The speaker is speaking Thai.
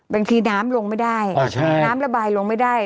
บางทีน้ำลงไม่ได้น้ำระบายลงไม่ได้